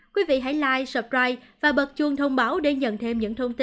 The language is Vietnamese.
quý vị hãy like subscribe và bật chuông thông báo để nhận thêm những thông tin